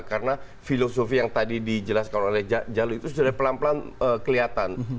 karena filosofi yang tadi dijelaskan oleh jalul itu sudah pelan pelan kelihatan